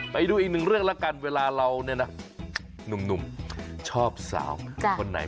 ไปดูอีกหนึ่งเรื่องละกันเวลาลุ๋มชอบสาวอีกคนไหน